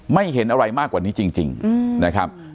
เห็นอะไรมากกว่านี้จริงนะครับ